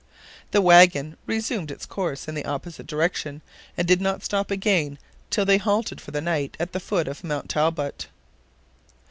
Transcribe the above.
The wagon resumed its course in the opposite direction, and did not stop again till they halted for the night at the foot of Mount Talbot.